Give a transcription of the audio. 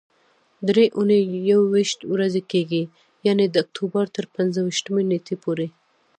درې اونۍ یويشت ورځې کېږي، یعنې د اکتوبر تر پنځه ویشتمې نېټې پورې.